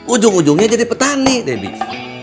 ujung ujungnya jadi petani debit